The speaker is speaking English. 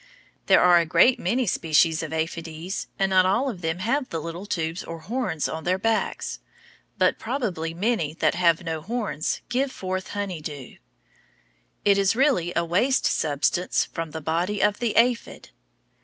There are a great many species of aphides, and not all of them have the little tubes or horns on their backs. But probably many that have no horns give forth honey dew. It is really a waste substance from the body of the aphid.